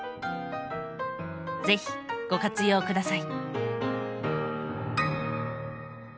是非ご活用下さい。